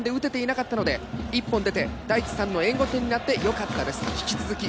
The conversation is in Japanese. ここ最近、得点圏で打てていなかったので１本出て、大地さんの援護点になって良かったです。